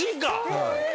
はい。